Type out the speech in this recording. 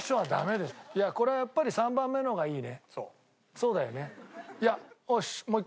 そうだよね。